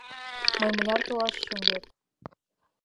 Мый мыняр толашышым вет!..